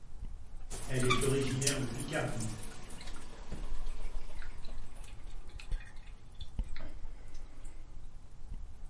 Elle est originaire de Picardie.